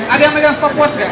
ada yang menyalakan stopwatch gak